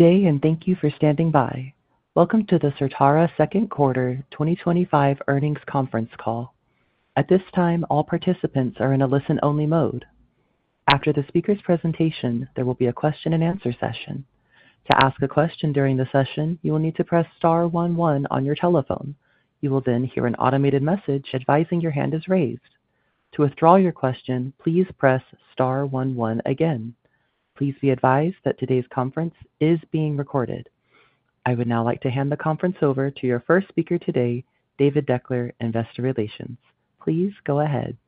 Today, and thank you for standing by. Welcome to the Certara Second Quarter 2025 Earnings Conference Call. At this time, all participants are in a listen-only mode. After the speaker's presentation, there will be a question and answer session. To ask a question during the session, you will need to press star one one on your telephone. You will then hear an automated message advising your hand is raised. To withdraw your question, please press star one one again. Please be advised that today's conference is being recorded. I would now like to hand the conference over to your first speaker today, David Deuchler, Investor Relations. Please go ahead.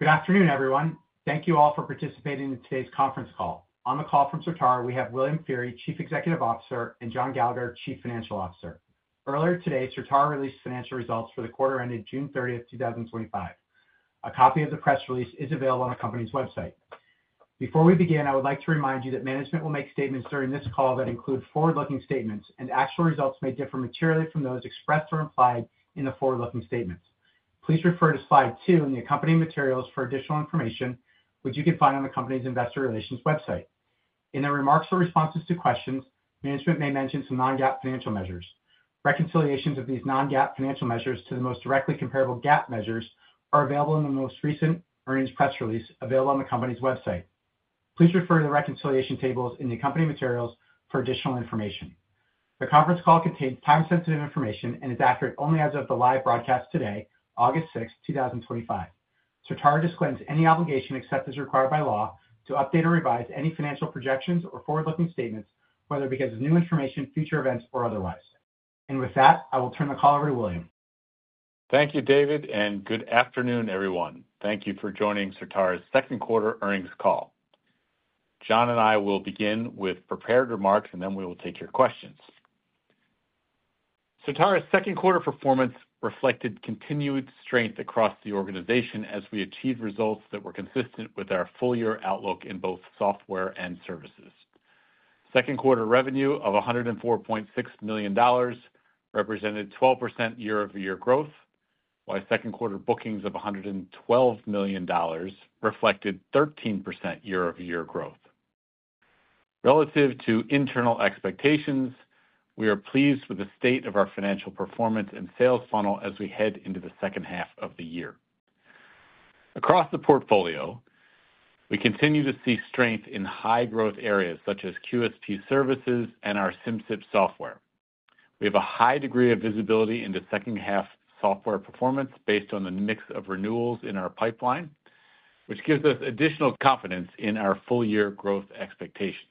Good afternoon, everyone. Thank you all for participating in today's conference call. On the call from Certara, we have William Feehery, Chief Executive Officer, and John Gallagher, Chief Financial Officer. Earlier today, Certara released financial results for the quarter ended June 30th, 2025. A copy of the press release is available on the company's website. Before we begin, I would like to remind you that management will make statements during this call that include forward-looking statements, and actual results may differ materially from those expressed or implied in the forward-looking statements. Please refer to slide two in the accompanying materials for additional information, which you can find on the company's Investor Relations website. In their remarks or responses to questions, management may mention some non-GAAP financial measures. Reconciliations of these non-GAAP financial measures to the most directly comparable GAAP measures are available in the most recent earnings press release available on the company's website. Please refer to the reconciliation tables in the accompanying materials for additional information. The conference call contains time-sensitive information, and it's accurate only as of the live broadcast today, August 6th, 2025. Certara disclaims any obligation, except as required by law, to update or revise any financial projections or forward-looking statements, whether because of new information, future events, or otherwise. With that, I will turn the call over to William. Thank you, David, and good afternoon, everyone. Thank you for joining Certara's Second Quarter Earnings Call. John and I will begin with prepared remarks, and then we will take your questions. Certara's second quarter performance reflected continued strength across the organization as we achieved results that were consistent with our full-year outlook in both software and services. Second quarter revenue of $104.6 million represented 12% year-over-year growth, while second quarter bookings of $112 million reflected 13% year-over-year growth. Relative to internal expectations, we are pleased with the state of our financial performance and sales funnel as we head into the second half of the year. Across the portfolio, we continue to see strength in high-growth areas such as QSP services and our Simcyp software. We have a high degree of visibility into second-half software performance based on the mix of renewals in our pipeline, which gives us additional confidence in our full-year growth expectations.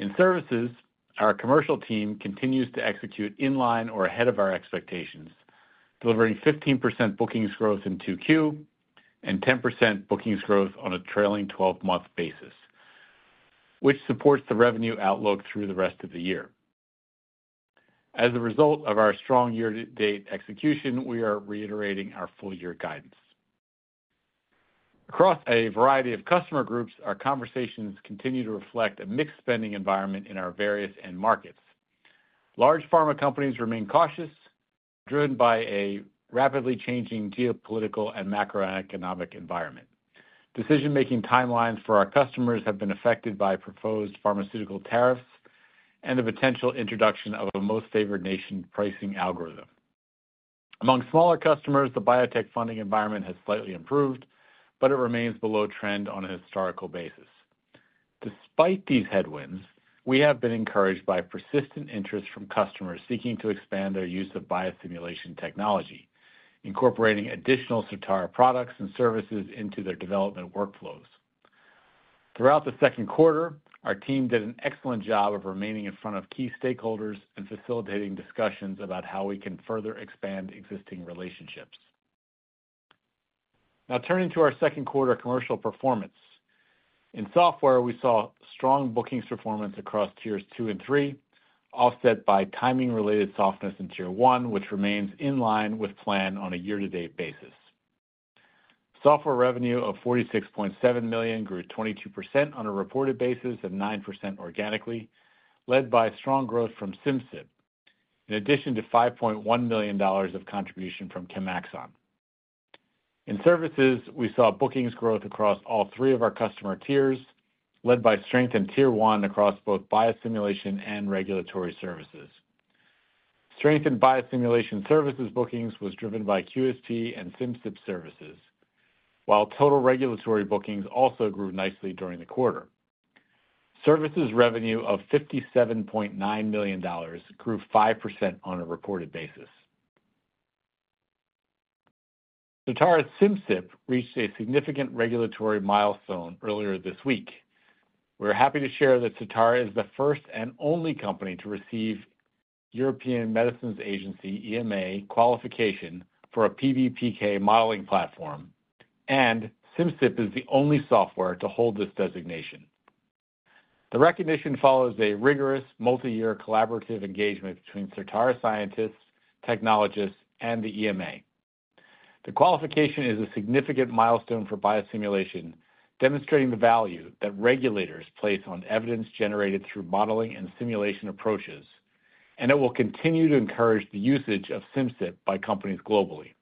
In services, our commercial team continues to execute in-line or ahead of our expectations, delivering 15% bookings growth in Q2 and 10% bookings growth on a trailing 12-month basis, which supports the revenue outlook through the rest of the year. As a result of our strong year-to-date execution, we are reiterating our full-year guidance. Across a variety of customer groups, our conversations continue to reflect a mixed spending environment in our various end markets. Large pharma companies remain cautious, driven by a rapidly changing geopolitical and macroeconomic environment. Decision-making timelines for our customers have been affected by proposed pharmaceutical tariffs and the potential introduction of a most favored nation pricing algorithm. Among smaller customers, the biotech funding environment has slightly improved, but it remains below trend on a historical basis. Despite these headwinds, we have been encouraged by persistent interest from customers seeking to expand their use of biosimulation technology, incorporating additional Certara products and services into their development workflows. Throughout the second quarter, our team did an excellent job of remaining in front of key stakeholders and facilitating discussions about how we can further expand existing relationships. Now turning to our second quarter commercial performance. In software, we saw strong bookings performance across tiers two and three, offset by timing-related softness in tier one, which remains in line with plan on a year-to-date basis. Software revenue of $46.7 million grew 22% on a reported basis and 9% organically, led by strong growth from Simcyp, in addition to $5.1 million of contribution from Chemaxon. In services, we saw bookings growth across all three of our customer tiers, led by strength in tier one across both biosimulation and regulatory services. Strength in biosimulation services bookings was driven by QSP and Simcyp services, while total regulatory bookings also grew nicely during the quarter. Services revenue of $57.9 million grew 5% on a reported basis. Certara's Simcyp reached a significant regulatory milestone earlier this week. We're happy to share that Certara is the first and only company to receive the European Medicines Agency, EMA, qualification for a PBPK modeling platform, and Simcyp is the only software to hold this designation. The recognition follows a rigorous multi-year collaborative engagement between Certara scientists, technologists, and the EMA. The qualification is a significant milestone for biosimulation, demonstrating the value that regulators place on evidence generated through modeling and simulation approaches, and it will continue to encourage the usage of Simcyp by companies globally.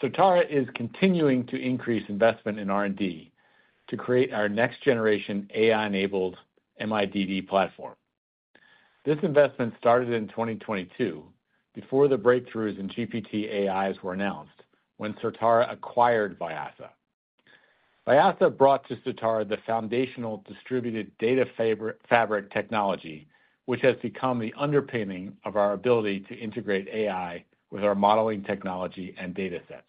Certara is continuing to increase investment in R&D to create our next-generation AI-enabled MIDD platform. This investment started in 2022, before the breakthroughs in GPT AIs were announced when Certara acquired Vyasa. Vyasa brought to Certara the foundational distributed data fabric technology, which has become the underpinning of our ability to integrate AI with our modeling technology and datasets.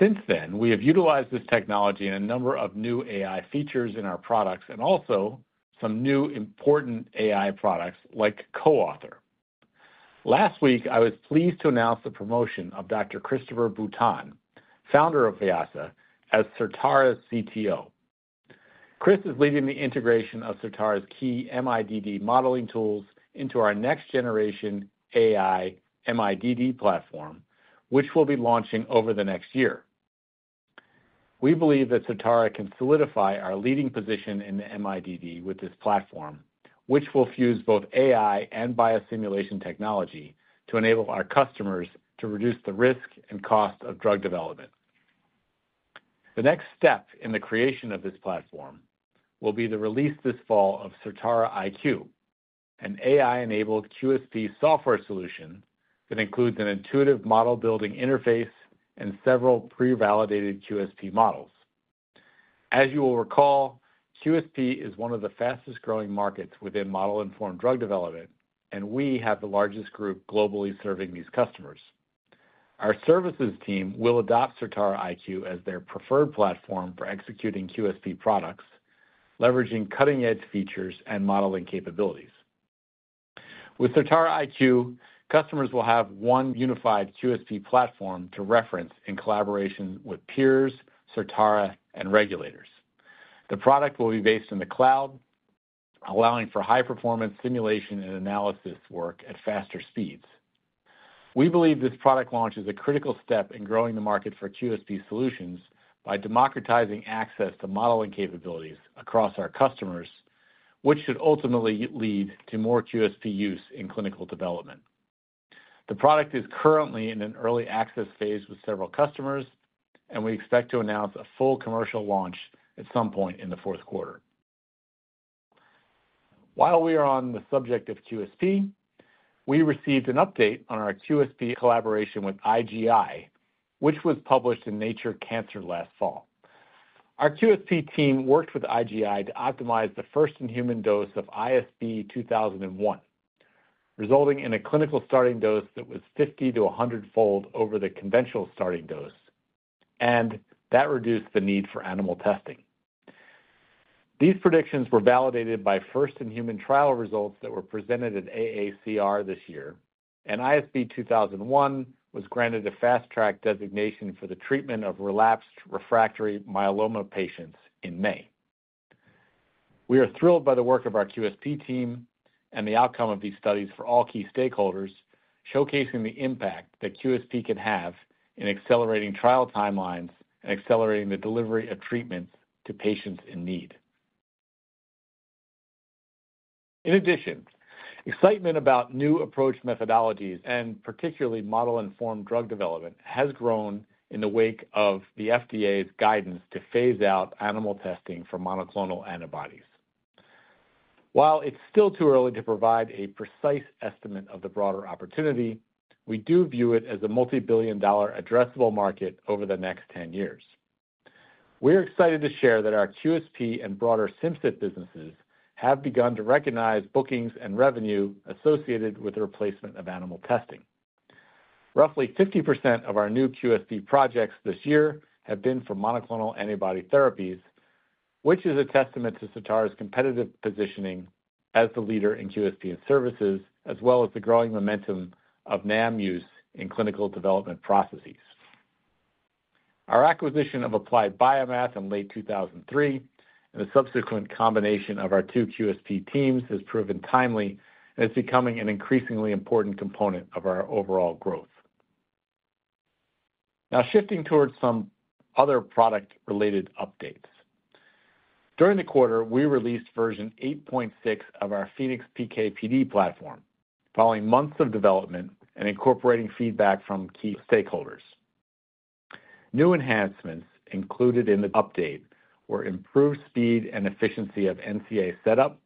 Since then, we have utilized this technology in a number of new AI features in our products and also some new important AI products like CoAuthor. Last week, I was pleased to announce the promotion of Dr. Christopher Bouton, founder of Vyasa, as Certara's CTO. Chris is leading the integration of Certara's key MIDD modeling tools into our next-generation AI MIDD platform, which we'll be launching over the next year. We believe that Certara can solidify our leading position in the MIDD with this platform, which will fuse both AI and biosimulation technology to enable our customers to reduce the risk and cost of drug development. The next step in the creation of this platform will be the release this fall of Certara IQ, an AI-enabled QSP software solution that includes an intuitive model-building interface and several pre-validated QSP models. As you will recall, QSP is one of the fastest growing markets within model-informed drug development, and we have the largest group globally serving these customers. Our services team will adopt Certara IQ as their preferred platform for executing QSP products, leveraging cutting-edge features and modeling capabilities. With Certara IQ, customers will have one unified QSP platform to reference in collaboration with peers, Certara, and regulators. The product will be based in the cloud, allowing for high-performance simulation and analysis work at faster speeds. We believe this product launch is a critical step in growing the market for QSP solutions by democratizing access to modeling capabilities across our customers, which should ultimately lead to more QSP use in clinical development. The product is currently in an early access phase with several customers, and we expect to announce a full commercial launch at some point in the fourth quarter. While we are on the subject of QSP, we received an update on our QSP collaboration with IGI, which was published in Nature Cancer last fall. Our QSP team worked with IGI to optimize the first in-human dose of ISB 2001, resulting in a clinical starting dose that was 50-100 fold over the conventional starting dose, and that reduced the need for animal testing. These predictions were validated by first-in-human trial results that were presented at AACR this year, and ISB 2001 was granted a fast-track designation for the treatment of relapsed refractory myeloma patients in May. We are thrilled by the work of our QSP team and the outcome of these studies for all key stakeholders, showcasing the impact that QSP can have in accelerating trial timelines and accelerating the delivery of treatments to patients in need. In addition, excitement about new approach methodologies and particularly model-informed drug development has grown in the wake of the FDA's guidance to phase out animal testing for monoclonal antibodies. While it's still too early to provide a precise estimate of the broader opportunity, we do view it as a multi-billion-dollar addressable market over the next 10 years. We're excited to share that our QSP and broader Simcyp businesses have begun to recognize bookings and revenue associated with the replacement of animal testing. Roughly 50% of our new QSP projects this year have been for monoclonal antibody therapies, which is a testament to Certara's competitive positioning as the leader in QSP and services, as well as the growing momentum of NAM use in clinical development processes. Our acquisition of Applied BioMath in late 2023 and the subsequent combination of our two QSP teams has proven timely and is becoming an increasingly important component of our overall growth. Now, shifting towards some other product-related updates. During the quarter, we released version 8.6 of our Phoenix PK/PD platform, following months of development and incorporating feedback from key stakeholders. New enhancements included in the update were improved speed and efficiency of NCA setup,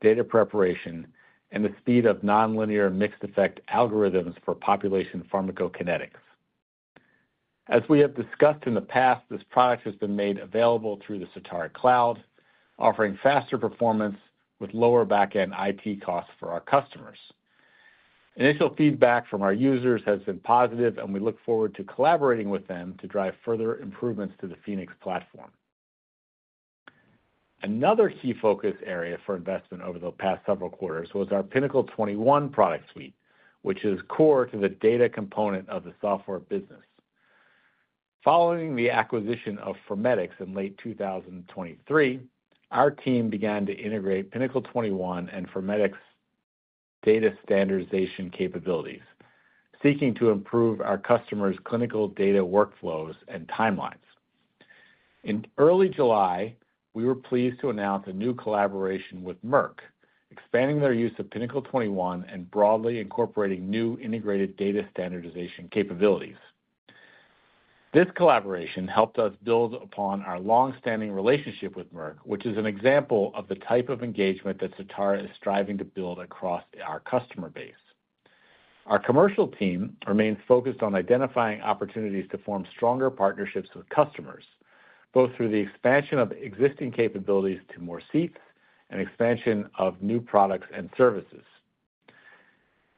data preparation, and the speed of nonlinear mixed effect algorithms for population pharmacokinetics. As we have discussed in the past, this product has been made available through the Certara Cloud, offering faster performance with lower backend IT costs for our customers. Initial feedback from our users has been positive, and we look forward to collaborating with them to drive further improvements to the Phoenix platform. Another key focus area for investment over the past several quarters was our Pinnacle 21 product suite, which is core to the data component of the software business. Following the acquisition of Pharmedix in late 2023, our team began to integrate Pinnacle 21 and Pharmedix data standardization capabilities, seeking to improve our customers' clinical data workflows and timelines. In early July, we were pleased to announce a new collaboration with Merck & Co., expanding their use of Pinnacle 21 and broadly incorporating new integrated data standardization capabilities. This collaboration helped us build upon our longstanding relationship with Merck & Co., which is an example of the type of engagement that Certara is striving to build across our customer base. Our commercial team remains focused on identifying opportunities to form stronger partnerships with customers, both through the expansion of existing capabilities to more seats and expansion of new products and services.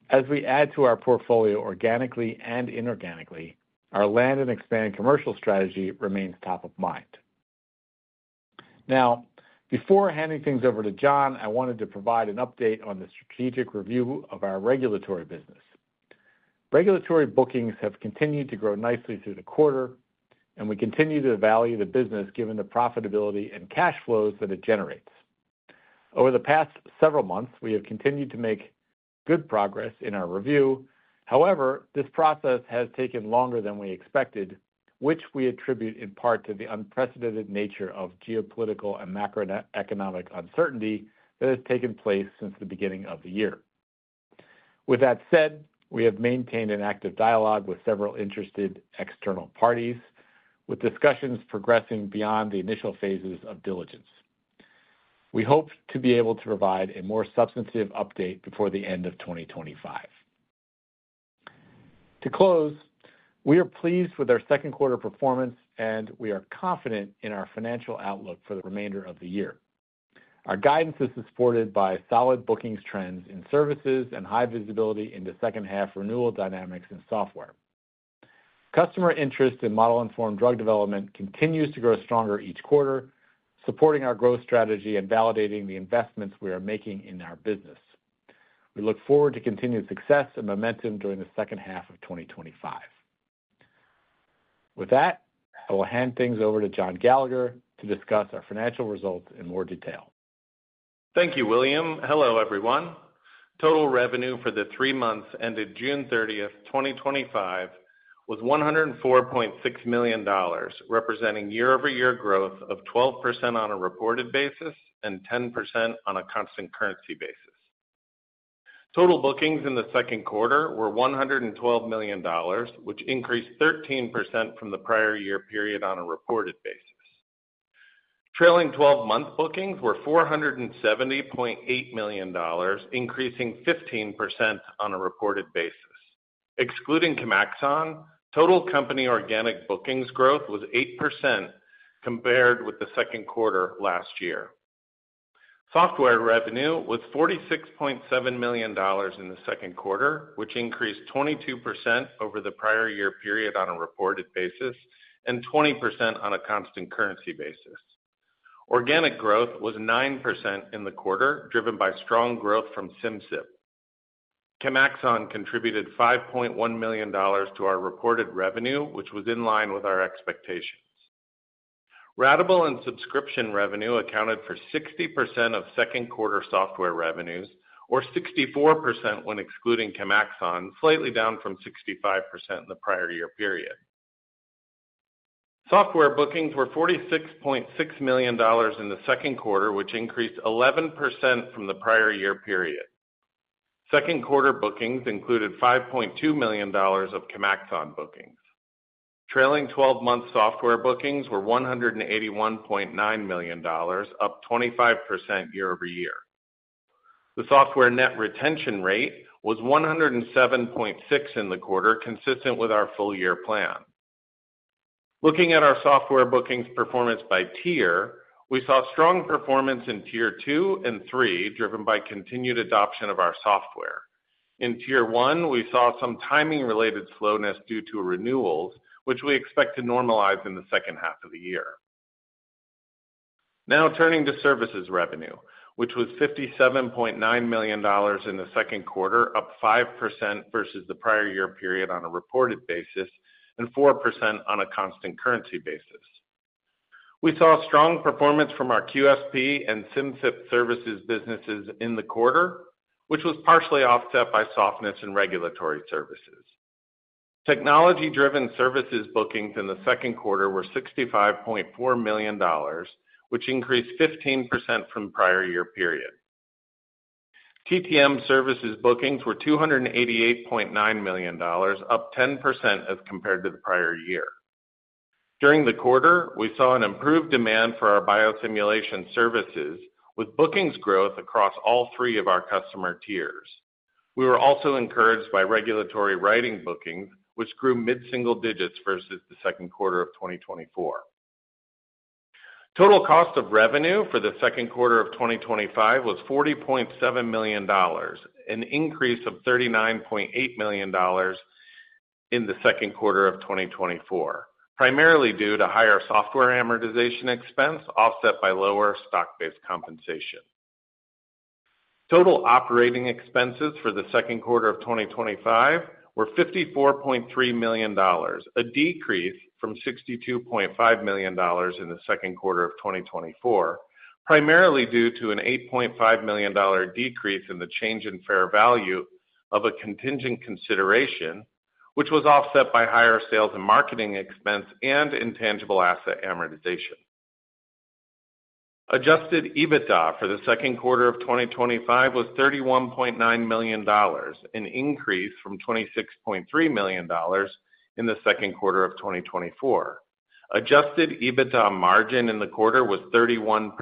As we add to our portfolio organically and inorganically, our land and expand commercial strategy remains top of mind. Now, before handing things over to John, I wanted to provide an update on the strategic review of our regulatory business. Regulatory bookings have continued to grow nicely through the quarter, and we continue to value the business given the profitability and cash flows that it generates. Over the past several months, we have continued to make good progress in our review. However, this process has taken longer than we expected, which we attribute in part to the unprecedented nature of geopolitical and macroeconomic uncertainty that has taken place since the beginning of the year. With that said, we have maintained an active dialogue with several interested external parties, with discussions progressing beyond the initial phases of diligence. We hope to be able to provide a more substantive update before the end of 2025. To close, we are pleased with our second quarter performance, and we are confident in our financial outlook for the remainder of the year. Our guidance is supported by solid bookings trends in services and high visibility into second-half renewal dynamics in software. Customer interest in model-informed drug development continues to grow stronger each quarter, supporting our growth strategy and validating the investments we are making in our business. We look forward to continued success and momentum during the second half of 2025. With that, I will hand things over to John Gallagher to discuss our financial results in more detail. Thank you, William. Hello, everyone. Total revenue for the three months ended June 30th, 2025, was $104.6 million, representing year-over-year growth of 12% on a reported basis and 10% on a constant currency basis. Total bookings in the second quarter were $112 million, which increased 13% from the prior year period on a reported basis. Trailing 12-month bookings were $470.8 million, increasing 15% on a reported basis. Excluding Chemaxon, total company organic bookings growth was 8% compared with the second quarter last year. Software revenue was $46.7 million in the second quarter, which increased 22% over the prior year period on a reported basis and 20% on a constant currency basis. Organic growth was 9% in the quarter, driven by strong growth from Simcyp. Chemaxon contributed $5.1 million to our reported revenue, which was in line with our expectations. Ratable and subscription revenue accounted for 60% of second quarter software revenues, or 64% when excluding Chemaxon, slightly down from 65% in the prior year period. Software bookings were $46.6 million in the second quarter, which increased 11% from the prior year period. Second quarter bookings included $5.2 million of Chemaxon bookings. Trailing 12-month software bookings were $181.9 million, up 25% year-over-year. The software net retention rate was 107.6% in the quarter, consistent with our full-year plan. Looking at our software bookings performance by tier, we saw strong performance in tier two and three, driven by continued adoption of our software. In tier one, we saw some timing-related slowness due to renewals, which we expect to normalize in the second half of the year. Now turning to services revenue, which was $57.9 million in the second quarter, up 5% versus the prior year period on a reported basis and 4% on a constant currency basis. We saw strong performance from our QSP and Simcyp services businesses in the quarter, which was partially offset by softness in regulatory services. Technology-driven services bookings in the second quarter were $65.4 million, which increased 15% from prior year period. TTM services bookings were $288.9 million, up 10% as compared to the prior year. During the quarter, we saw an improved demand for our biosimulation services, with bookings growth across all three of our customer tiers. We were also encouraged by regulatory writing bookings, which grew mid-single digits versus the second quarter of 2024. Total cost of revenue for the second quarter of 2025 was $40.7 million, an increase from $39.8 million in the second quarter of 2024, primarily due to higher software amortization expense offset by lower stock-based compensation. Total operating expenses for the second quarter of 2025 were $54.3 million, a decrease from $62.5 million in the second quarter of 2024, primarily due to an $8.5 million decrease in the change in fair value of a contingent consideration, which was offset by higher sales and marketing expense and intangible asset amortization. Adjusted EBITDA for the second quarter of 2025 was $31.9 million, an increase from $26.3 million in the second quarter of 2024. Adjusted EBITDA margin in the quarter was 31%.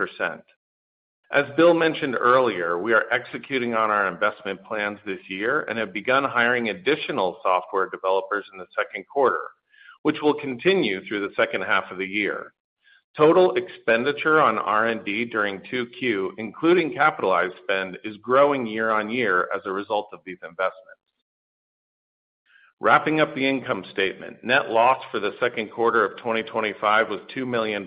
As Bill mentioned earlier, we are executing on our investment plans this year and have begun hiring additional software developers in the second quarter, which will continue through the second half of the year. Total expenditure on R&D during Q2, including capitalized spend, is growing year on year as a result of these investments. Wrapping up the income statement, net loss for the second quarter of 2025 was $2 million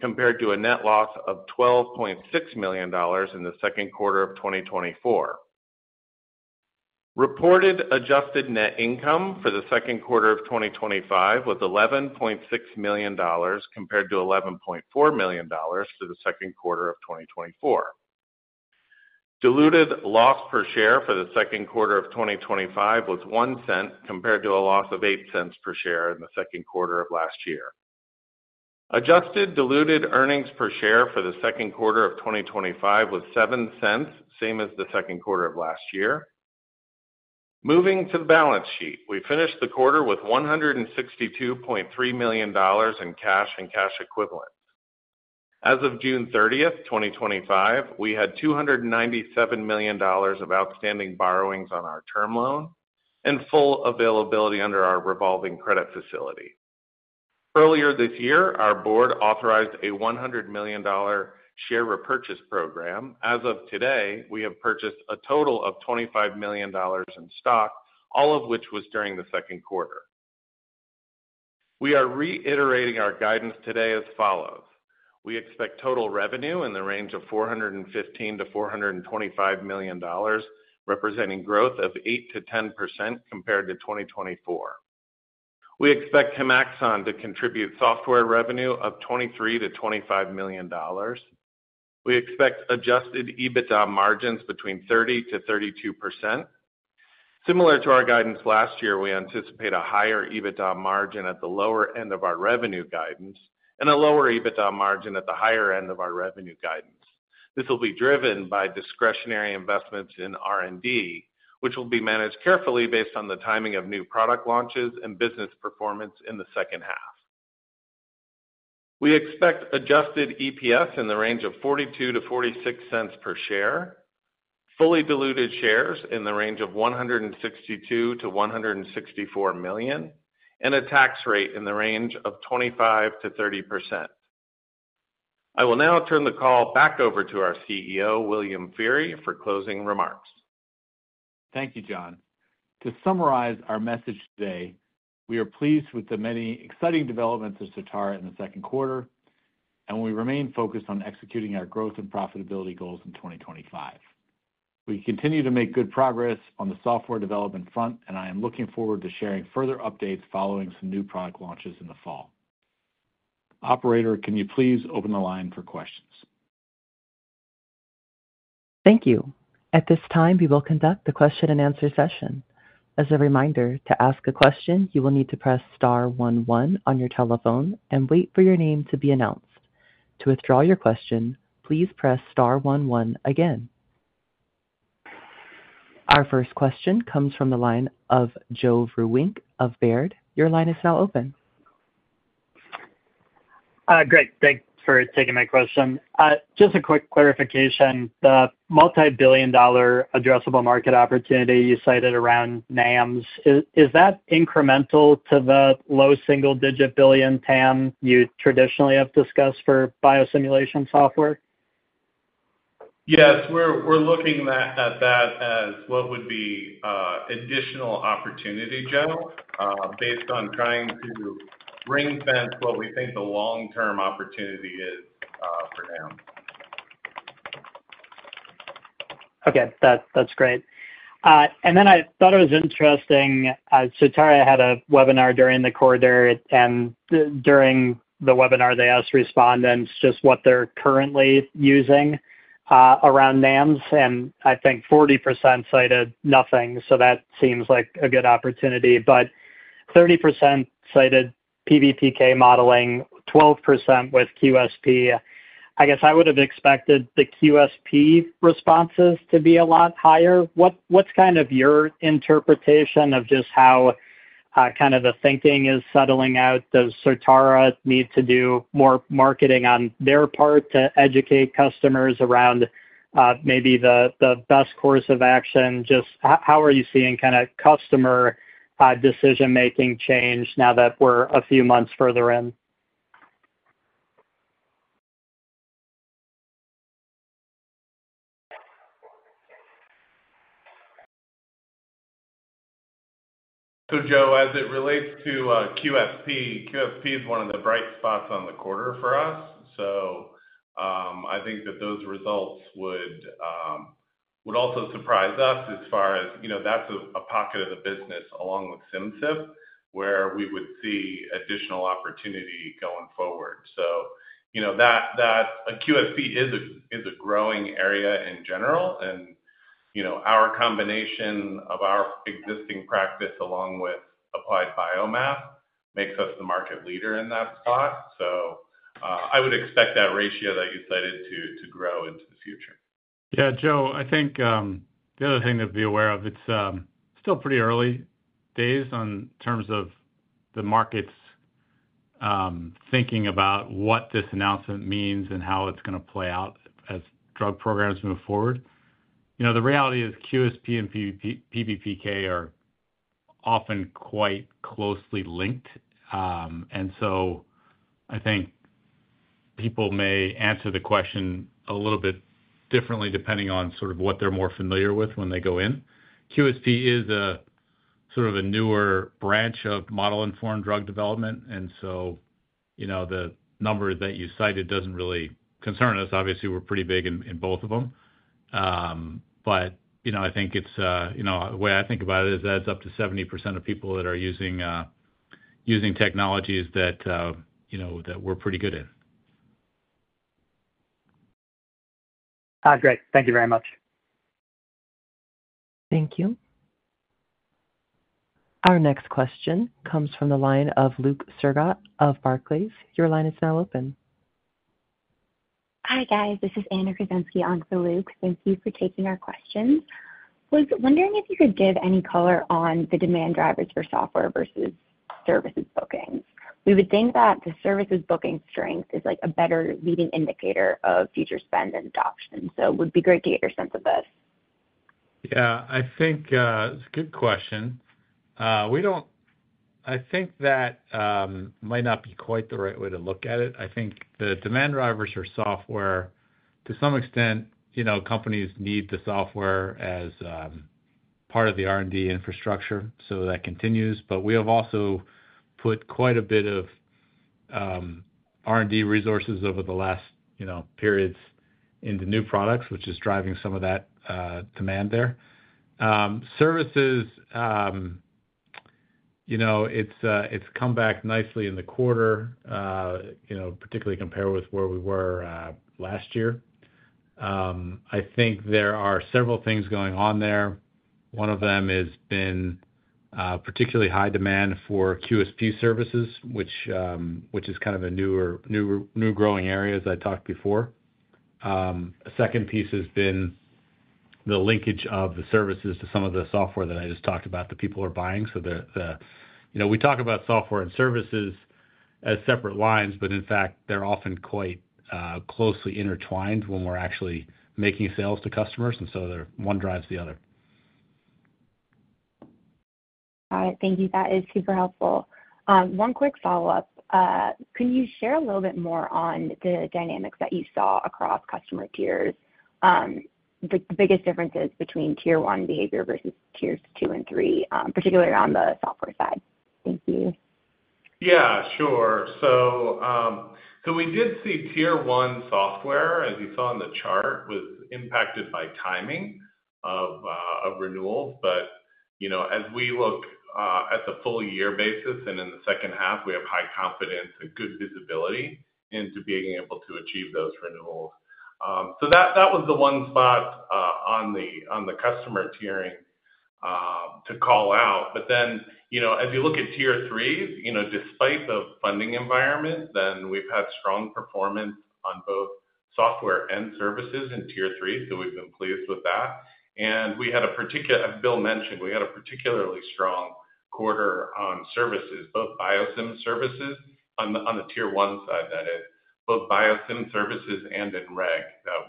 compared to a net loss of $12.6 million in the second quarter of 2024. Reported adjusted net income for the second quarter of 2025 was $11.6 million compared to $11.4 million for the second quarter of 2024. Diluted loss per share for the second quarter of 2025 was $0.01 compared to a loss of $0.08 per share in the second quarter of last year. Adjusted diluted earnings per share for the second quarter of 2025 was $0.07, same as the second quarter of last year. Moving to the balance sheet, we finished the quarter with $162.3 million in cash and cash equivalents. As of June 30th, 2025, we had $297 million of outstanding borrowings on our term loan and full availability under our revolving credit facility. Earlier this year, our board authorized a $100 million share repurchase program. As of today, we have purchased a total of $25 million in stock, all of which was during the second quarter. We are reiterating our guidance today as follows. We expect total revenue in the range of $415 million-$425 million, representing growth of 8%-10% compared to 2024. We expect Chemaxon to contribute software revenue of $23 million-$25 million. We expect adjusted EBITDA margins between 30%-32%. Similar to our guidance last year, we anticipate a higher EBITDA margin at the lower end of our revenue guidance and a lower EBITDA margin at the higher end of our revenue guidance. This will be driven by discretionary investments in R&D, which will be managed carefully based on the timing of new product launches and business performance in the second half. We expect adjusted EPS in the range of $0.42-$0.46 per share, fully diluted shares in the range of $162 million-$164 million, and a tax rate in the range of 25%-30%. I will now turn the call back over to our CEO, William Feehery, for closing remarks. Thank you, John. To summarize our message today, we are pleased with the many exciting developments of Certara in the second quarter, and we remain focused on executing our growth and profitability goals in 2025. We continue to make good progress on the software development front, and I am looking forward to sharing further updates following some new product launches in the fall. Operator, can you please open the line for questions? Thank you. At this time, we will conduct the question and answer session. As a reminder, to ask a question, you will need to press star one one on your telephone and wait for your name to be announced. To withdraw your question, please press star one one again. Our first question comes from the line of Joe Vreuwink of Baird. Your line is now open. Great. Thanks for taking my question. Just a quick clarification. The multi-billion dollar addressable market opportunity you cited around NAMs, is that incremental to the low single-digit billion TAM you traditionally have discussed for biosimulation software? Yes, we're looking at that as what would be an additional opportunity, Joe, based on trying to ring-fence what we think the long-term opportunity is for NAMs. Okay, that's great. I thought it was interesting. Certara had a webinar during the quarter, and during the webinar, they asked respondents just what they're currently using around NAMs, and I think 40% cited nothing. That seems like a good opportunity, but 30% cited PBPK modeling, 12% with QSP. I guess I would have expected the QSP responses to be a lot higher. What's kind of your interpretation of just how kind of the thinking is settling out? Does Certara need to do more marketing on their part to educate customers around maybe the best course of action? Just how are you seeing kind of customer decision-making change now that we're a few months further in? Joe, as it relates to QSP, QSP is one of the bright spots on the quarter for us. I think that those results would also surprise us as far as, you know, that's a pocket of the business along with Simcyp where we would see additional opportunity going forward. QSP is a growing area in general, and our combination of our existing practice along with Applied BioMath makes us the market leader in that spot. I would expect that ratio that you cited to grow into the future. Yeah, Joe, I think the other thing to be aware of, it's still pretty early days in terms of the markets thinking about what this announcement means and how it's going to play out as drug programs move forward. The reality is QSP and PBPK are often quite closely linked, and I think people may answer the question a little bit differently depending on sort of what they're more familiar with when they go in. QSP is a sort of a newer branch of model-informed drug development, and the number that you cited doesn't really concern us. Obviously, we're pretty big in both of them. I think it's the way I think about it is that it's up to 70% of people that are using technologies that we're pretty good in. Great. Thank you very much. Thank you. Our next question comes from the line of Luke Sergott of Barclays. Your line is now open. Hi guys, this is Anna Krasinski on for Luke. Thank you for taking our questions. I was wondering if you could give any color on the demand drivers for software versus services bookings. We would think that the services booking strength is a better leading indicator of future spend and adoption. It would be great to get your sense of this. Yeah, I think it's a good question. I think that might not be quite the right way to look at it. I think the demand drivers are software. To some extent, companies need the software as part of the R&D infrastructure, so that continues. We have also put quite a bit of R&D resources over the last periods into new products, which is driving some of that demand there. Services have come back nicely in the quarter, particularly compared with where we were last year. I think there are several things going on there. One of them has been particularly high demand for QSP services, which is kind of a new growing area, as I talked before. A second piece has been the linkage of the services to some of the software that I just talked about that people are buying. We talk about software and services as separate lines, but in fact, they're often quite closely intertwined when we're actually making sales to customers, and one drives the other. Got it. Thank you. That is super helpful. One quick follow-up. Can you share a little bit more on the dynamics that you saw across customer tiers? The biggest differences between tier one behavior versus tiers two and three, particularly on the software side. Thank you. Yeah, sure. We did see tier one software, as you saw in the chart, was impacted by timing of renewals. As we look at the full year basis and in the second half, we have high confidence and good visibility into being able to achieve those renewals. That was the one spot on the customer tiering to call out. As you look at tier three, despite the funding environment, we've had strong performance on both software and services in tier three. We've been pleased with that. As Bill mentioned, we had a particularly strong quarter on services, both BioSim services on the tier one side, that is, both BioSim services and in reg. That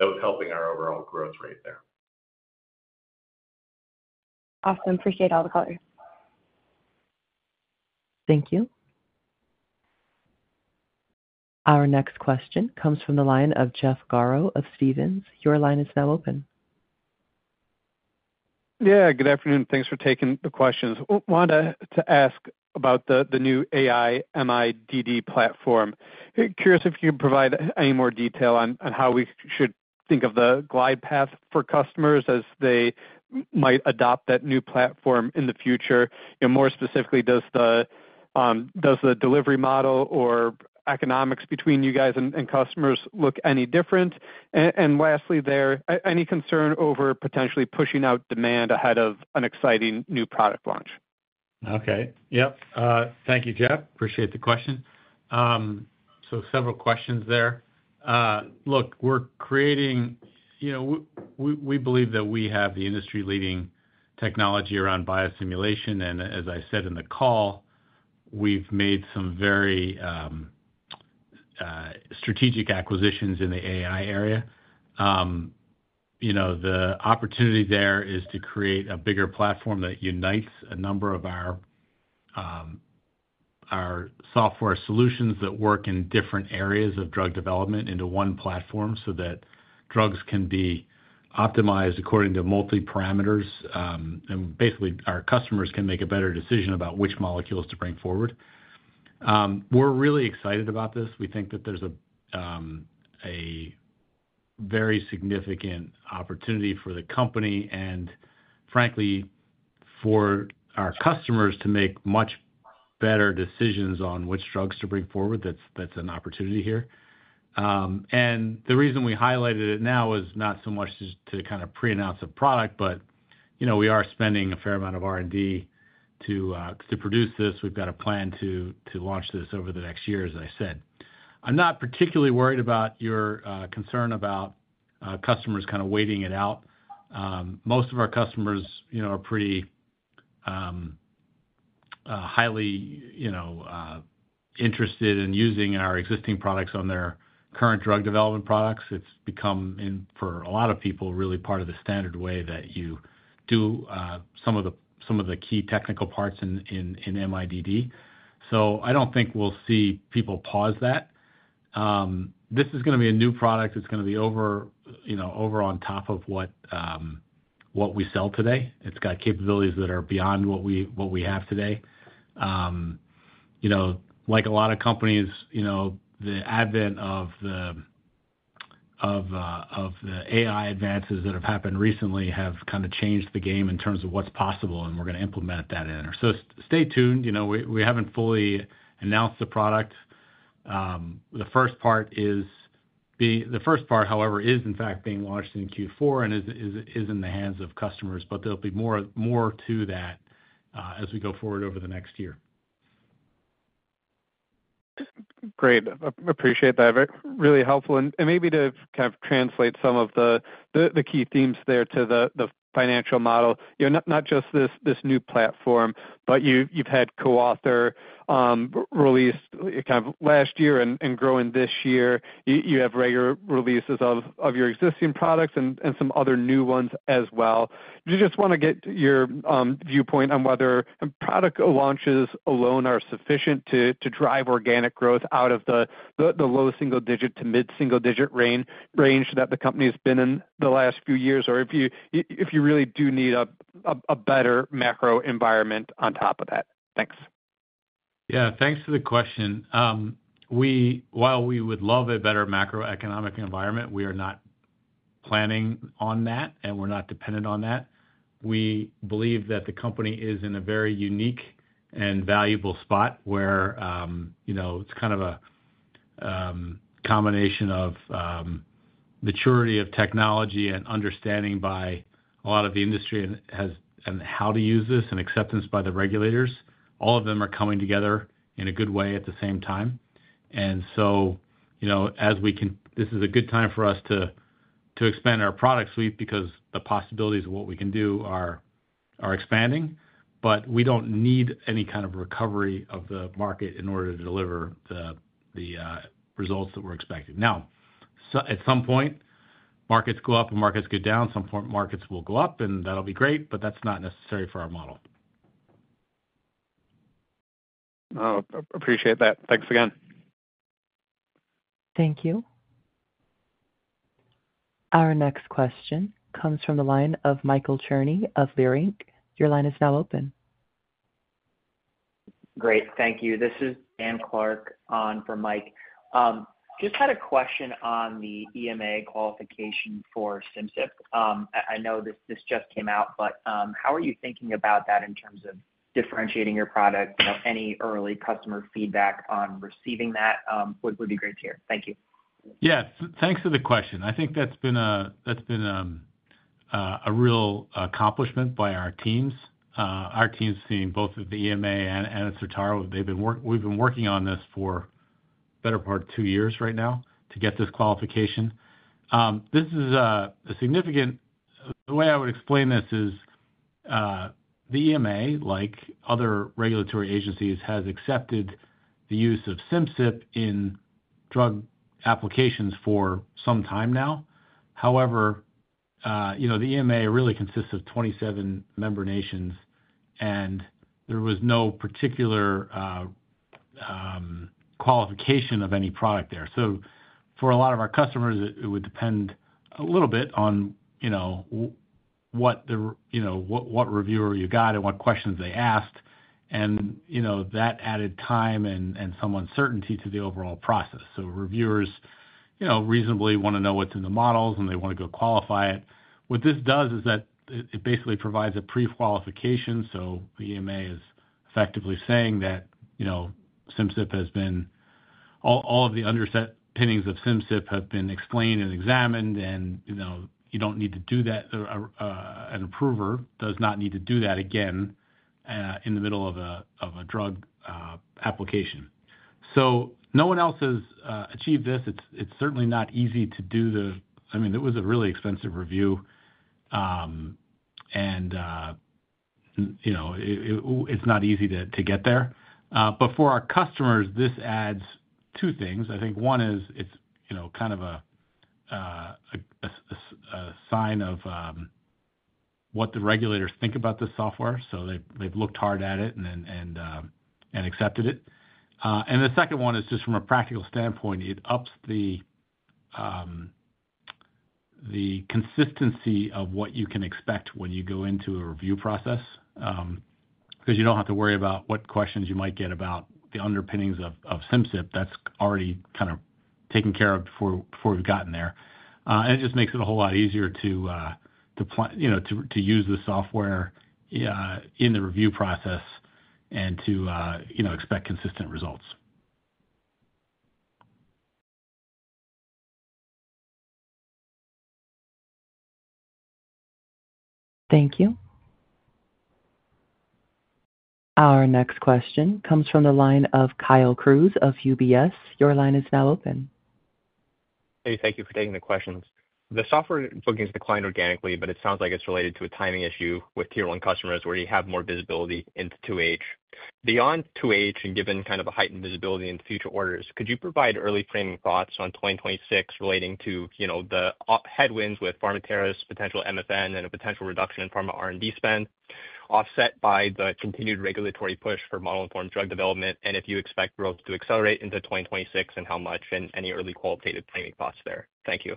was helping our overall growth rate there. Awesome. Appreciate all the colors. Thank you. Our next question comes from the line of Jeff Garro of Stephens. Your line is now open. Yeah, good afternoon. Thanks for taking the questions. Wanted to ask about the new AI MIDD platform. Curious if you can provide any more detail on how we should think of the glide path for customers as they might adopt that new platform in the future. More specifically, does the delivery model or economics between you guys and customers look any different? Lastly, is there any concern over potentially pushing out demand ahead of an exciting new product launch? Thank you, Jeff. Appreciate the question. Several questions there. Look, we're creating, you know, we believe that we have the industry-leading technology around biosimulation. As I said in the call, we've made some very strategic acquisitions in the AI area. The opportunity there is to create a bigger platform that unites a number of our software solutions that work in different areas of drug development into one platform so that drugs can be optimized according to multi-parameters. Basically, our customers can make a better decision about which molecules to bring forward. We're really excited about this. We think that there's a very significant opportunity for the company and, frankly, for our customers to make much better decisions on which drugs to bring forward. That's an opportunity here. The reason we highlighted it now is not so much to kind of pre-announce a product, but we are spending a fair amount of R&D to produce this. We've got a plan to launch this over the next year, as I said. I'm not particularly worried about your concern about customers kind of waiting it out. Most of our customers are pretty highly interested in using our existing products on their current drug development products. It's become, for a lot of people, really part of the standard way that you do some of the key technical parts in MIDD. I don't think we'll see people pause that. This is going to be a new product. It's going to be over, you know, over on top of what we sell today. It's got capabilities that are beyond what we have today. Like a lot of companies, the advent of the AI advances that have happened recently have kind of changed the game in terms of what's possible, and we're going to implement that in. Stay tuned. We haven't fully announced the product. The first part, however, is in fact being launched in Q4 and is in the hands of customers, but there'll be more to that as we go forward over the next year. Great. Appreciate that. Really helpful. Maybe to kind of translate some of the key themes there to the financial model, you know, not just this new platform, but you've had CoAuthor released kind of last year and growing this year. You have regular releases of your existing products and some other new ones as well. I just want to get your viewpoint on whether product launches alone are sufficient to drive organic growth out of the low single digit to mid-single digit range that the company's been in the last few years, or if you really do need a better macro environment on top of that. Thanks. Yeah, thanks for the question. While we would love a better macroeconomic environment, we are not planning on that, and we're not dependent on that. We believe that the company is in a very unique and valuable spot where it's kind of a combination of maturity of technology and understanding by a lot of the industry and how to use this, and acceptance by the regulators. All of them are coming together in a good way at the same time. As we can, this is a good time for us to expand our product suite because the possibilities of what we can do are expanding. We don't need any kind of recovery of the market in order to deliver the results that we're expecting. At some point, markets go up and markets go down. Some markets will go up, and that'll be great, but that's not necessary for our model. Appreciate that. Thanks again. Thank you. Our next question comes from the line of Michael Cherney of Bank of America Merrill Lynch. Your line is now open. Great. Thank you. This is Dan Clark on for Mike. Just had a question on the EMA qualification for Simcyp. I know this just came out, but how are you thinking about that in terms of differentiating your product? You know, any early customer feedback on receiving that would be great to hear. Thank you. Yeah, thanks for the question. I think that's been a real accomplishment by our teams. Our teams, seeing both of the EMA and Certara, we've been working on this for the better part of two years right now to get this qualification. This is significant. The way I would explain this is the EMA, like other regulatory agencies, has accepted the use of SIMCYP in drug applications for some time now. However, the EMA really consists of 27 member nations, and there was no particular qualification of any product there. For a lot of our customers, it would depend a little bit on what reviewer you got and what questions they asked. That added time and some uncertainty to the overall process. Reviewers reasonably want to know what's in the models and they want to go qualify it. What this does is that it basically provides a pre-qualification. The EMA is effectively saying that Simcyp has been, all of the underpinnings of Simcyp have been explained and examined, and you don't need to do that. An approver does not need to do that again in the middle of a drug application. No one else has achieved this. It's certainly not easy to do. I mean, it was a really expensive review, and it's not easy to get there. For our customers, this adds two things. I think one is it's kind of a sign of what the regulators think about the software. They've looked hard at it and accepted it. The second one is just from a practical standpoint, it ups the consistency of what you can expect when you go into a review process because you don't have to worry about what questions you might get about the underpinnings of Simcyp. That's already kind of taken care of before we've gotten there. It just makes it a whole lot easier to use the software in the review process and to expect consistent results. Thank you. Our next question comes from the line of Kyle Cruz of UBS. Your line is now open. Hey, thank you for taking the questions. The software bookings declined organically, but it sounds like it's related to a timing issue with tier one customers where you have more visibility into 2H. Beyond 2H and given kind of a heightened visibility in future orders, could you provide early framing thoughts on 2026 relating to, you know, the headwinds with Pharmedix's potential MFN and a potential reduction in pharma R&D spend offset by the continued regulatory push for model-informed drug development? If you expect growth to accelerate into 2026 and how much, and any early qualitative framing thoughts there. Thank you.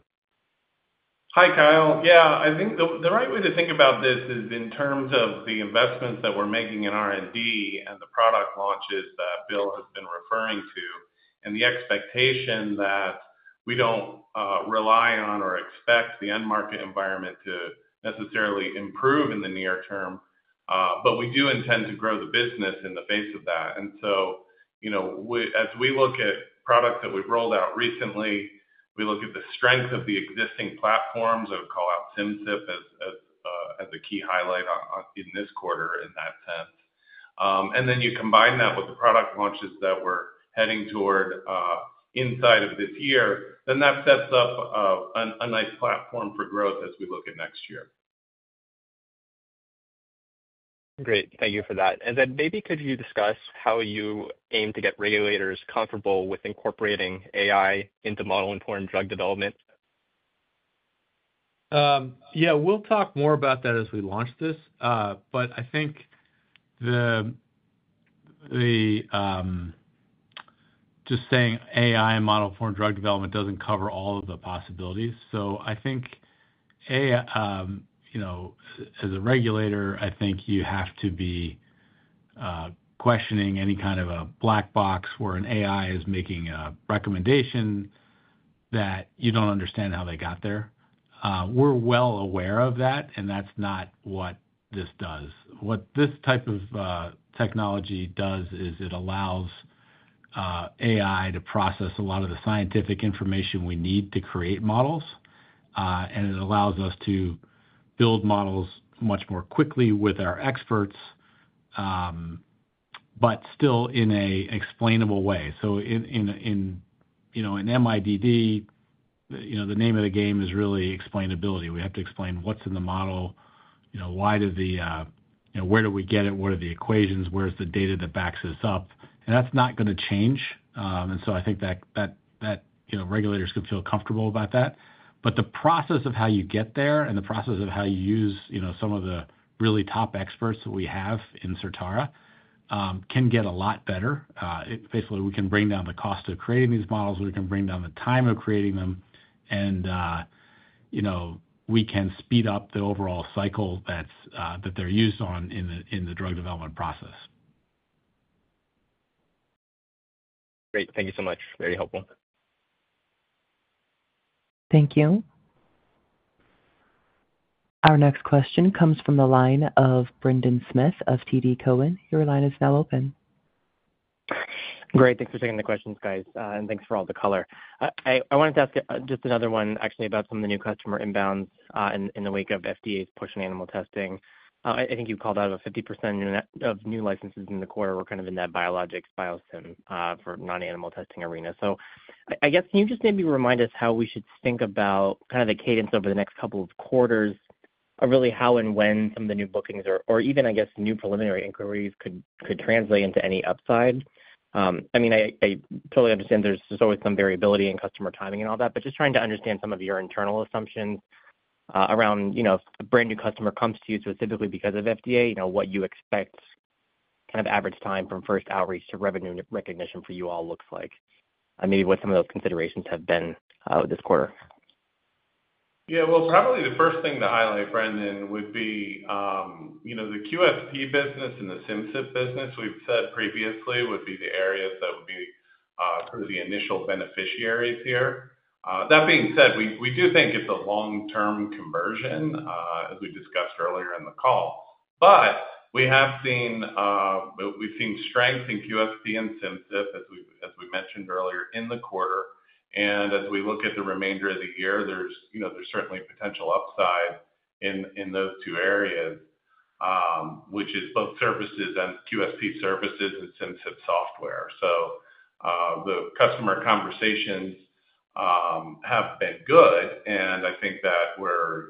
Hi, Kyle. I think the right way to think about this is in terms of the investments that we're making in R&D and the product launches that Bill has been referring to, and the expectation that we don't rely on or expect the end market environment to necessarily improve in the near term. We do intend to grow the business in the face of that. As we look at products that we've rolled out recently, we look at the strength of the existing platforms. I would call out Simcyp as a key highlight in this quarter in that sense. You combine that with the product launches that we're heading toward inside of this year, and that sets up a nice platform for growth as we look at next year. Great. Thank you for that. Maybe could you discuss how you aim to get regulators comfortable with incorporating AI into model-informed drug development? We'll talk more about that as we launch this. I think just saying AI model-informed drug development doesn't cover all of the possibilities. I think, as a regulator, you have to be questioning any kind of a black box where an AI is making a recommendation that you don't understand how they got there. We're well aware of that, and that's not what this does. What this type of technology does is it allows AI to process a lot of the scientific information we need to create models, and it allows us to build models much more quickly with our experts, but still in an explainable way. In MIDD, the name of the game is really explainability. We have to explain what's in the model, why do the, where do we get it, what are the equations, where's the data that backs this up? That's not going to change. I think that regulators could feel comfortable about that. The process of how you get there and the process of how you use some of the really top experts that we have in Certara can get a lot better. Basically, we can bring down the cost of creating these models, we can bring down the time of creating them, and we can speed up the overall cycle that they're used on in the drug development process. Great. Thank you so much. Very helpful. Thank you. Our next question comes from the line of Brendan Smith of TD Cowen. Your line is now open. Great. Thanks for taking the questions, guys, and thanks for all the color. I wanted to ask just another one, actually, about some of the new customer inbounds in the wake of FDA's push in animal testing. I think you called out about 50% of new licenses in the quarter were kind of in that biologics, bio-sim for non-animal testing arena. I guess can you just maybe remind us how we should think about kind of the cadence over the next couple of quarters of really how and when some of the new bookings or even, I guess, new preliminary inquiries could translate into any upside? I mean, I totally understand there's just always some variability in customer timing and all that, just trying to understand some of your internal assumptions around, you know, a brand new customer comes to you, it's typically because of FDA, you know, what you expect kind of average time from first outreach to revenue recognition for you all looks like, and maybe what some of the considerations have been this quarter. Yeah, probably the first thing to highlight, Brendan, would be the QSP business and the Simcyp business we've said previously would be the areas that would be sort of the initial beneficiaries here. That being said, we do think it's a long-term conversion, as we discussed earlier in the call. We have seen strength in QSP and Simcyp, as we mentioned earlier, in the quarter. As we look at the remainder of the year, there's certainly potential upside in those two areas, which is both services and QSP services and Simcyp software. The customer conversations have been good, and I think that we're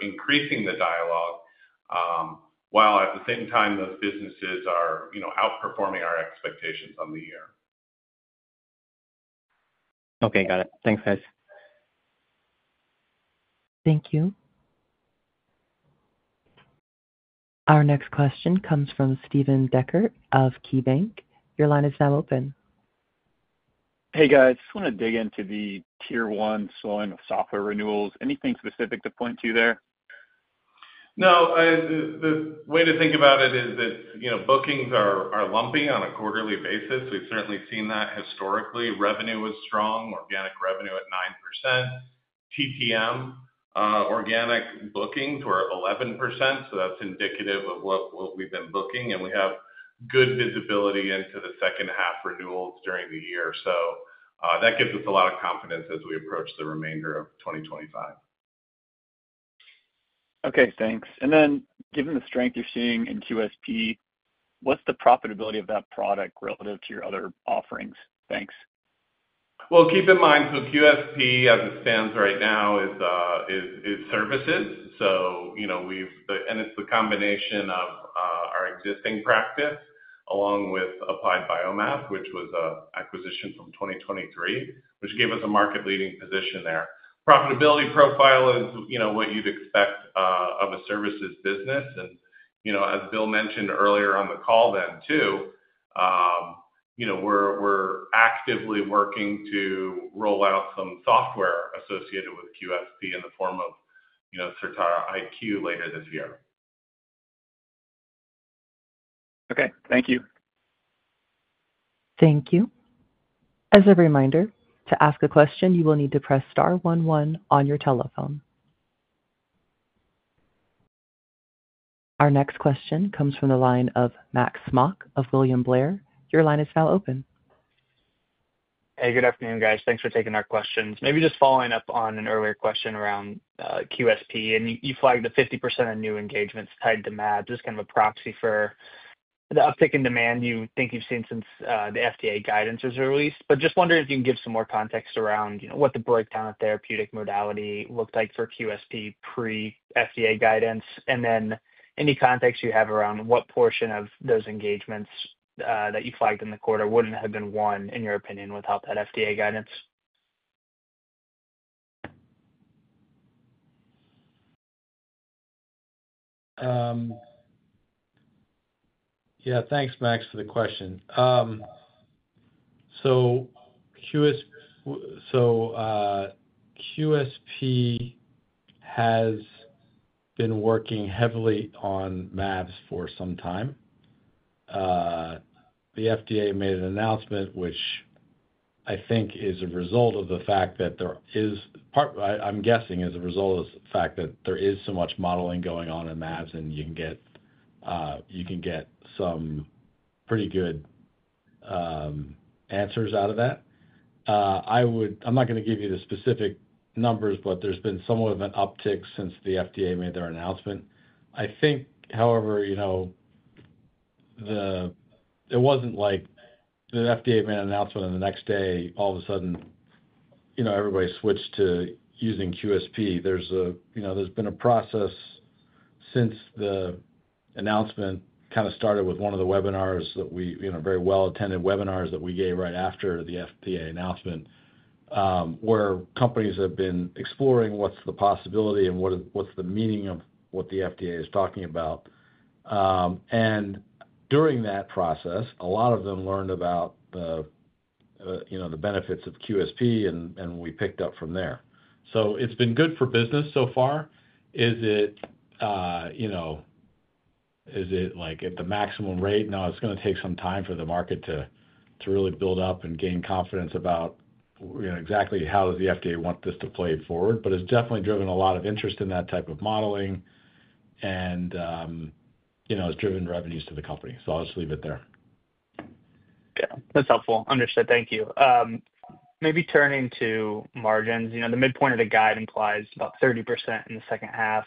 increasing the dialogue while, at the same time, those businesses are outperforming our expectations on the year. Okay, got it. Thanks, guys. Thank you. Our next question comes from Steve Dechert of KeyBanc. Your line is now open. Hey guys, I just want to dig into the tier one slowing of software renewals. Anything specific to point to there? The way to think about it is that bookings are lumpy on a quarterly basis. We've certainly seen that historically. Revenue was strong, organic revenue at 9%. TTM, organic bookings were 11%, that's indicative of what we've been booking, and we have good visibility into the second half renewals during the year. That gives us a lot of confidence as we approach the remainder of 2025. Okay, thanks. Given the strength you're seeing in QSP, what's the profitability of that product relative to your other offerings? Thanks. QSP as it stands right now is services. It's the combination of our existing practice along with Applied BioMath, which was an acquisition from 2023, which gave us a market-leading position there. Profitability profile is what you'd expect of a services business. As Bill mentioned earlier on the call, we're actively working to roll out some software associated with QSP in the form of Certara IQ later this year. Okay, thank you. Thank you. As a reminder, to ask a question, you will need to press star one one on your telephone. Our next question comes from the line of Max Smock of William Blair. Your line is now open. Hey, good afternoon, guys. Thanks for taking our questions. Maybe just following up on an earlier question around QSP, and you flagged the 50% of new engagements tied to MIDD. This is kind of a proxy for the uptick in demand you think you've seen since the FDA guidance was released. Just wondering if you can give some more context around what the breakdown of therapeutic modality looked like for QSP pre-FDA guidance. Any context you have around what portion of those engagements that you flagged in the quarter wouldn't have been won, in your opinion, without that FDA guidance. Yeah, thanks, Max, for the question. QSP has been working heavily on MADs for some time. The FDA made an announcement, which I think is a result of the fact that there is, I'm guessing, is a result of the fact that there is so much modeling going on in MADs, and you can get some pretty good answers out of that. I'm not going to give you the specific numbers, but there's been somewhat of an uptick since the FDA made their announcement. I think, however, it wasn't like the FDA made an announcement and the next day, all of a sudden, everybody switched to using QSP. There's been a process since the announcement, kind of started with one of the webinars that we, very well attended webinars that we gave right after the FDA announcement, where companies have been exploring what's the possibility and what's the meaning of what the FDA is talking about. During that process, a lot of them learned about the benefits of QSP and we picked up from there. It's been good for business so far. Is it at the maximum rate? Now, it's going to take some time for the market to really build up and gain confidence about exactly how does the FDA want this to play forward. It's definitely driven a lot of interest in that type of modeling and has driven revenues to the company. I'll just leave it there. Yeah, that's helpful. Understood. Thank you. Maybe turning to margins, you know, the midpoint of the guide implies about 30% in the second half.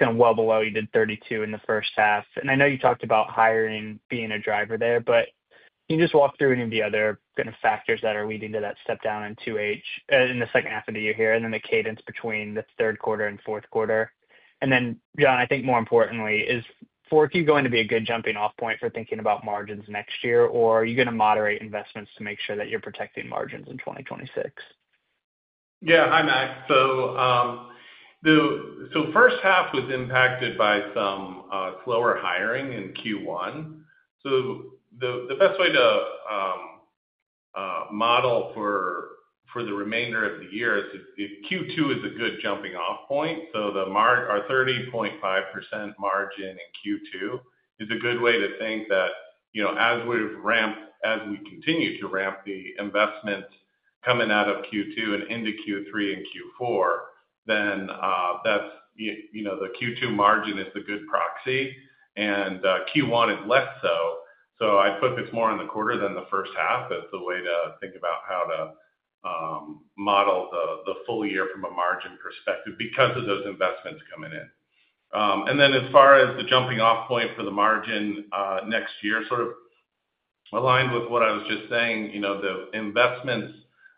It's kind of well below. You did 32% in the first half. I know you talked about hiring being a driver there, but can you just walk through any of the other kind of factors that are leading to that step down in 2H in the second half of the year here, and then the cadence between the third quarter and fourth quarter? Then, John, I think more importantly, is 4Q going to be a good jumping-off point for thinking about margins next year, or are you going to moderate investments to make sure that you're protecting margins in 2026? Yeah, hi, Max. The first half was impacted by some slower hiring in Q1. The best way to model for the remainder of the year, Q2 is a good jumping-off point. Our 30.5% margin in Q2 is a good way to think that, you know, as we've ramped, as we continue to ramp the investments coming out of Q2 and into Q3 and Q4, then that's, you know, the Q2 margin is the good proxy and Q1 is less so. I'd focus more on the quarter than the first half as the way to think about how to model the full year from a margin perspective because of those investments coming in. As far as the jumping-off point for the margin next year, sort of aligned with what I was just saying, you know, the investments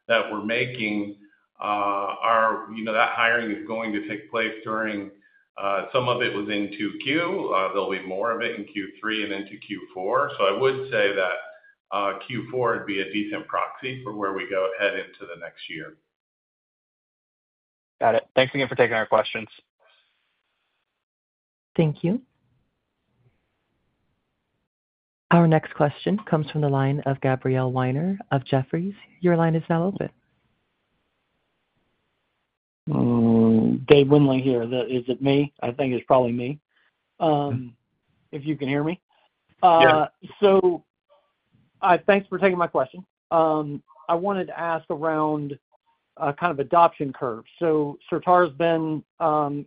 that we're making are, you know, that hiring is going to take place during, some of it was in Q2. There'll be more of it in Q3 and into Q4. I would say that Q4 would be a decent proxy for where we go ahead into the next year. Got it. Thanks again for taking our questions. Thank you. Our next question comes from the line of Gabrielle Weiner of Jefferies. Your line is now open. Dave Windley here. I think it's probably me. If you can hear me. Yes. Thank you for taking my question. I wanted to ask around adoption curves. Certara's been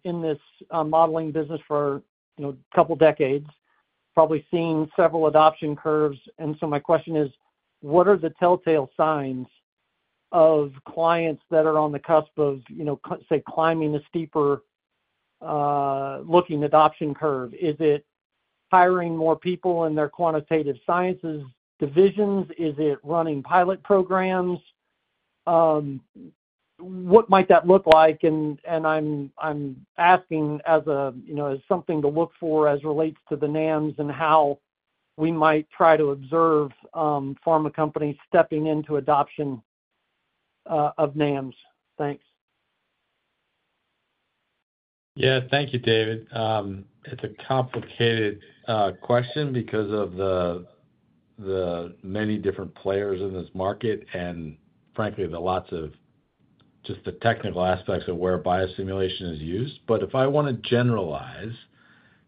in this modeling business for a couple of decades, probably seen several adoption curves. My question is, what are the telltale signs of clients that are on the cusp of climbing a steeper looking adoption curve? Is it hiring more people in their quantitative sciences divisions? Is it running pilot programs? What might that look like? I'm asking as something to look for as it relates to the NAMs and how we might try to observe pharma companies stepping into adoption of NAMs. Thank you. Thank you, David. It's a complicated question because of the many different players in this market and, frankly, the lots of just the technical aspects of where biosimulation is used. If I want to generalize,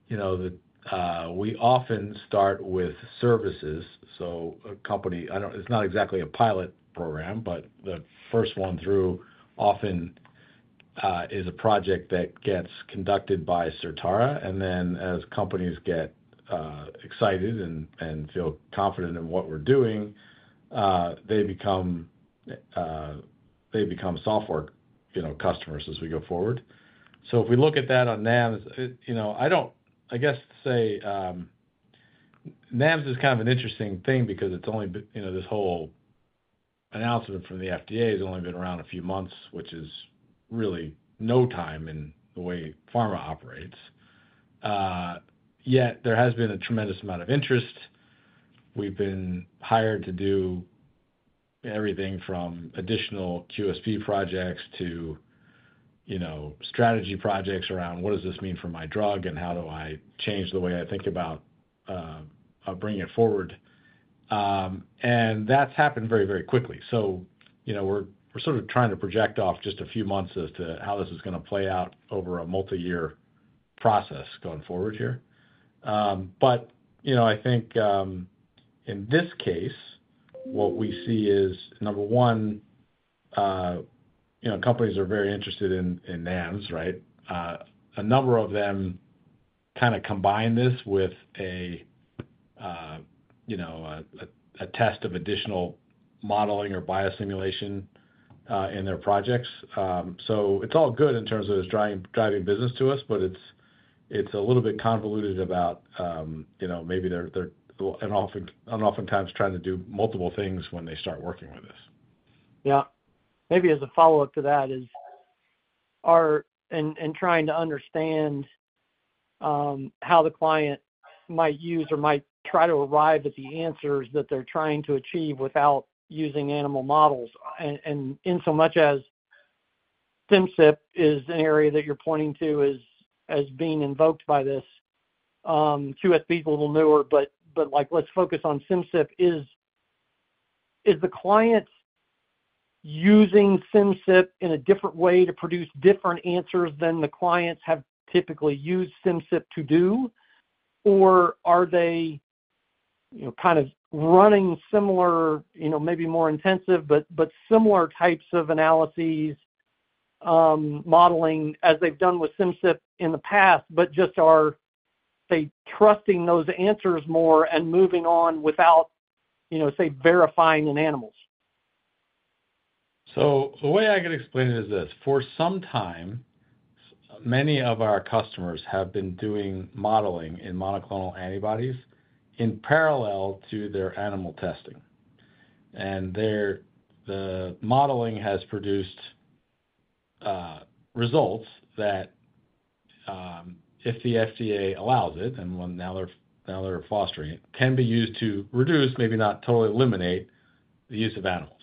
we often start with services. A company, it's not exactly a pilot program, but the first one through often is a project that gets conducted by Certara. As companies get excited and feel confident in what we're doing, they become software customers as we go forward. If we look at that on NAMs, to say NAMs is kind of an interesting thing because this whole announcement from the FDA has only been around a few months, which is really no time in the way pharma operates. Yet there has been a tremendous amount of interest. We've been hired to do everything from additional QSP projects to strategy projects around what does this mean for my drug and how do I change the way I think about bringing it forward. That's happened very, very quickly. We're sort of trying to project off just a few months as to how this is going to play out over a multi-year process going forward here. In this case, what we see is, number one, companies are very interested in NAMs, right? A number of them kind of combine this with a test of additional modeling or biosimulation in their projects. It's all good in terms of this driving business to us, but it's a little bit convoluted about maybe they're oftentimes trying to do multiple things when they start working with this. Maybe as a follow-up to that is in trying to understand how the client might use or might try to arrive at the answers that they're trying to achieve without using animal models. In so much as Simcyp is an area that you're pointing to as being invoked by this, QSP is a little newer, but let's focus on Simcyp. Is the client using Simcyp in a different way to produce different answers than the clients have typically used Simcyp to do? Or are they kind of running similar, maybe more intensive, but similar types of analyses modeling as they've done with Simcyp in the past, but just are, say, trusting those answers more and moving on without, say, verifying in animals? The way I could explain it is this. For some time, many of our customers have been doing modeling in monoclonal antibodies in parallel to their animal testing. The modeling has produced results that, if the FDA allows it, and now they're fostering it, can be used to reduce, maybe not totally eliminate, the use of animals.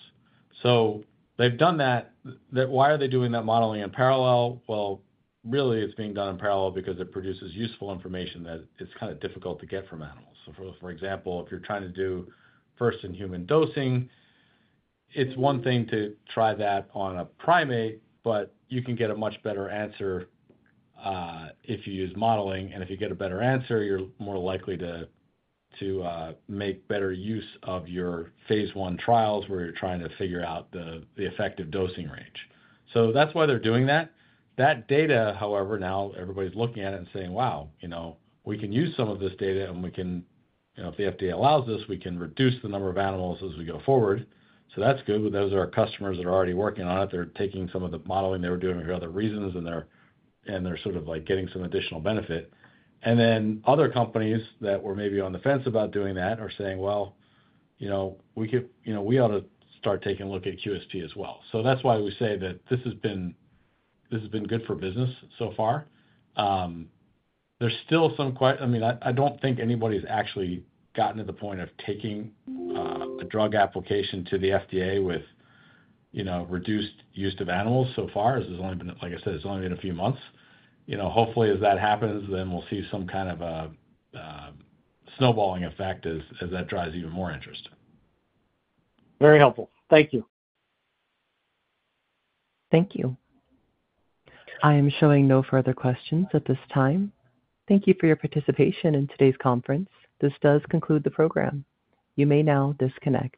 They've done that. Why are they doing that modeling in parallel? It's being done in parallel because it produces useful information that it's kind of difficult to get from animals. For example, if you're trying to do first-in-human dosing, it's one thing to try that on a primate, but you can get a much better answer if you use modeling. If you get a better answer, you're more likely to make better use of your phase one trials where you're trying to figure out the effective dosing range. That's why they're doing that. That data, however, now everybody's looking at it and saying, wow, we can use some of this data and we can, if the FDA allows this, reduce the number of animals as we go forward. That's good. Those are our customers that are already working on it. They're taking some of the modeling they were doing for other reasons and they're getting some additional benefit. Other companies that were maybe on the fence about doing that are saying, we ought to start taking a look at QSP as well. That's why we say that this has been good for business so far. There's still some, I don't think anybody's actually gotten to the point of taking a drug application to the FDA with reduced use of animals so far, as it's only been, like I said, a few months. Hopefully, as that happens, then we'll see some kind of a snowballing effect as that drives even more interest. Very helpful. Thank you. Thank you. I am showing no further questions at this time. Thank you for your participation in today's conference. This does conclude the program. You may now disconnect.